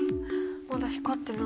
まだ光ってない。